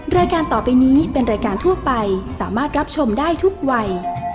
รายการต่อไปนี้เป็นรายการทั่วไปสามารถรับชมได้ทุกวัย